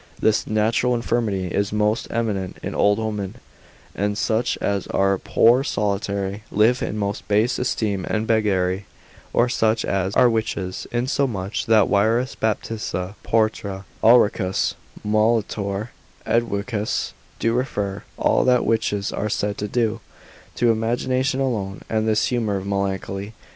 This natural infirmity is most eminent in old women, and such as are poor, solitary, live in most base esteem and beggary, or such as are witches; insomuch that Wierus, Baptista Porta, Ulricus Molitor, Edwicus, do refer all that witches are said to do, to imagination alone, and this humour of melancholy.